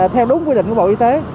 theo đúng quy định của bộ y tế